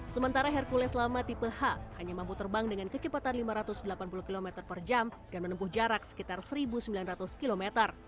sementara hercules lama tipe h hanya mampu terbang dengan kecepatan lima ratus delapan puluh km per jam dan menempuh jarak sekitar satu sembilan ratus km